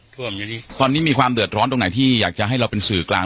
อยู่ดีตอนนี้มีความเดือดร้อนตรงไหนที่อยากจะให้เราเป็นสื่อกลาง